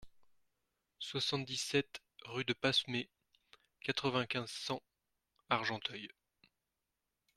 soixante-dix-sept rue de Passemay, quatre-vingt-quinze, cent, Argenteuil